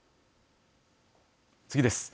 次です。